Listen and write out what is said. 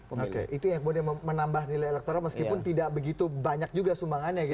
oke itu yang kemudian menambah nilai elektoral meskipun tidak begitu banyak juga sumbangannya